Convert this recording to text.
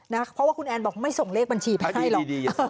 เพราะว่าคุณแอนบอกไม่ส่งเลขบัญชีไปให้หรอก